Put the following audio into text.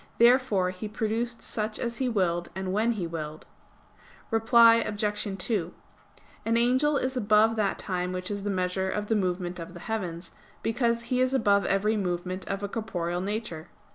Therefore He produced such as He willed, and when He willed. Reply Obj. 2: An angel is above that time which is the measure of the movement of the heavens; because he is above every movement of a corporeal nature.